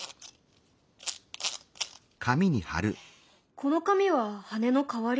この紙は羽の代わり？